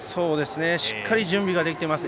しっかり準備ができてます。